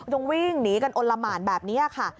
ต้องวิ่งหนีกันอลละหมานแบบนี้ค่ะ